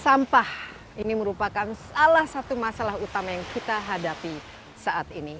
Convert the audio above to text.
sampah ini merupakan salah satu masalah utama yang kita hadapi saat ini